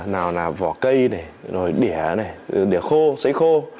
nào là vỏ cây này đĩa này đĩa khô sấy khô